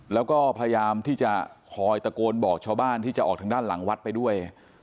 แล้วก็พยายามที่จะคอยตะโกนบอกชาวบ้านที่จะออกทางด้านหลังวัดไปด้วย